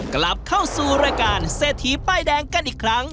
กลับเข้าสู่รายการเศรษฐีป้ายแดงกันอีกครั้ง